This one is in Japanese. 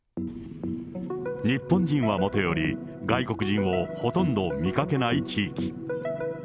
日本人はもとより、外国人をほとんど見かけない地域。